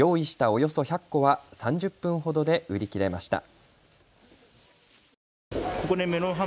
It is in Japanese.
およそ１００個は３０分ほどで売り切れました。